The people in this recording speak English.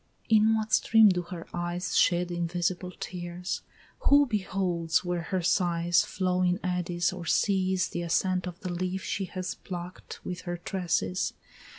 In what stream do her eyes Shed invisible tears? Who beholds where her sighs Flow in eddies, or sees the ascent of the leaf She has pluck'd with her tresses?